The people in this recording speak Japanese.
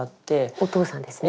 お父さんですね。